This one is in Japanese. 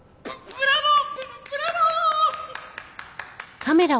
ブラボー！